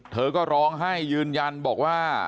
เธอก็ร้องไห้ยืนยันบอกว่า